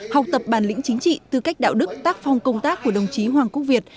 học tập bản lĩnh chính trị tư cách đạo đức tác phong công tác của đồng chí hoàng quốc việt